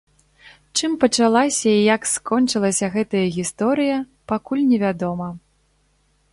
Чым пачалася і як скончылася гэтая гісторыя, пакуль невядома.